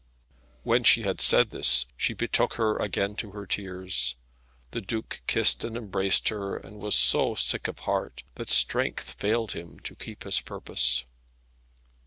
When she had said this, she betook her again to her tears. The Duke kissed and embraced her, and was so sick of heart that strength failed him to keep his purpose.